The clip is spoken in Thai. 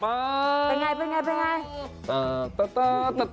มันนานแล้ว